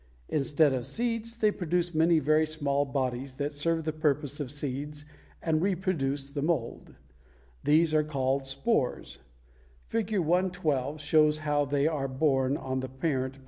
Instead of seeds they produce many very small bodies that serve the purpose of seeds and reproduce the mold. These are called spores. Fig. 112 shows how they are borne on the parent plant. [Illustration: FIG. 112.